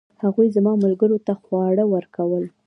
هغوی زما ملګرو ته خواړه ورکړل.